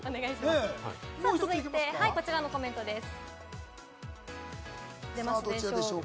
さぁ続いて、こちらのコメントです。